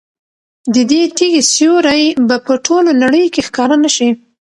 د دې تیږې سیوری به په ټوله نړۍ کې ښکاره نه شي.